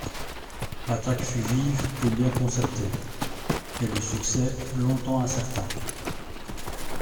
L'attaque fut vive et bien concertée, et le succès long-temps incertain.